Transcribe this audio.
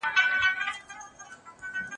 یو ښایسته سړی چې اوږده ږیره یې وه راغی.